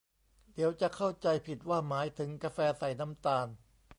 เดี๋ยวจะเข้าใจผิดว่าหมายถึงกาแฟใส่น้ำตาล